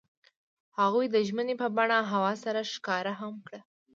هغوی د ژمنې په بڼه هوا سره ښکاره هم کړه.